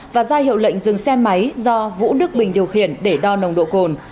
và ra hiệu lệnh dừng xe máy do vũ đức bình điều khiển để đo nồng độ cồn